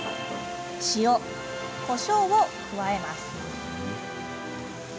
塩こしょうを加えます。